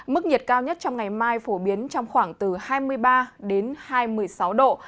mức nhiệt cao nhất trong ngày mai phổ biến trong khoảng từ hai mươi ba hai mươi sáu độ